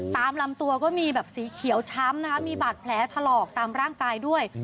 ตามลำตัวก็มีแบบสีเขียวช้ำนะคะมีบาดแผลถลอกตามร่างกายด้วย